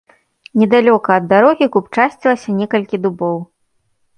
Недалёка ад дарогі купчасцілася некалькі дубоў.